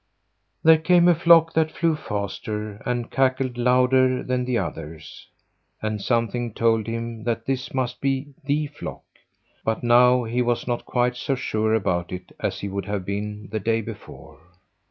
There came a flock that flew faster and cackled louder than the others, and something told him that this must be the flock, but now he was not quite so sure about it as he would have been the day before.